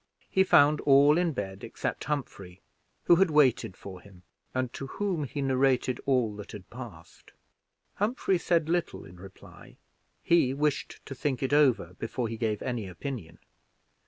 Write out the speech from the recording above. He found all in bed except Humphrey, who had waited for him, and to whom he narrated all that had passed. Humphrey said little in reply; he wished to think it over before he gave any opinion.